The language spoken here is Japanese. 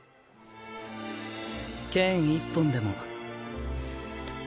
剣一本でも。